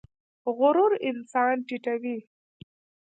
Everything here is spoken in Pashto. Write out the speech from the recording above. غرور انسان ټیټوي